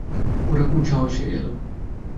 ওরা কোন সাহসে এল?